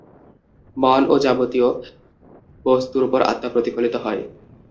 মন ও যাবতীয় বস্তুর উপর আত্মা প্রতিফলিত হয়।